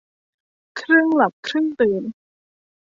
ครึ่งหลับครึ่งตื่น